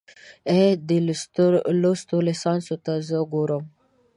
اې، دې لوستو ليسانسو ته چې زه ګورم